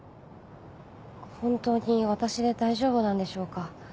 本当に私で大丈夫なんでしょうか？